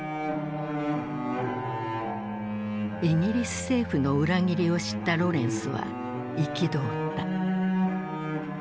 イギリス政府の裏切りを知ったロレンスは憤った。